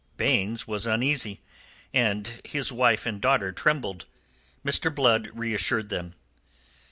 Baynes was uneasy, and his wife and daughter trembled. Mr. Blood reassured them.